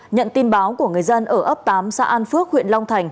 nhận tin báo của người dân ở ấp tám xã an phước huyện long thành